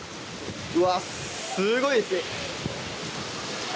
うわっ、すごいですね。